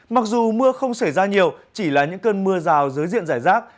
mặc dù mưa không xảy ra nhiều chỉ là những cơn mưa rào dưới diện giải rác